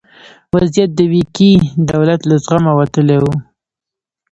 وضعیت د ویګي دولت له زغمه وتلی و.